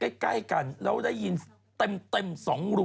จากกระแสของละครกรุเปสันนิวาสนะฮะ